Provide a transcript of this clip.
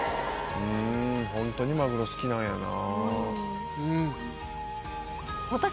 「ホントにマグロ好きなんやな」